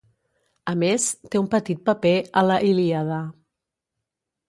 A més, té un petit paper a la "Ilíada".